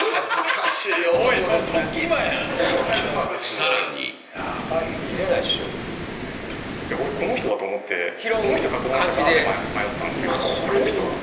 さらに俺この人だと思ってこの人かこの人かで迷ってたんですよ・